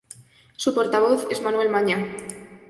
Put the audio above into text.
Su portavoz es Manuel Maña.